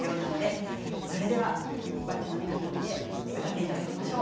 それではｗａｃｃｉの皆さんで歌っていただきましょう。